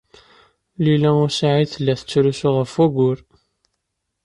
Lila u Saɛid tella tettrusu ɣef wayyur.